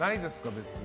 別に。